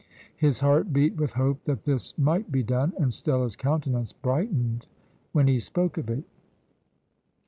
His heart beat with hope that this might be done, and Stella's countenance brightened when he spoke of it.